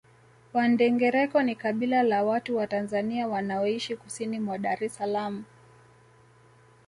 Wandengereko ni kabila la watu wa Tanzania wanaoishi kusini mwa Dar es Salaam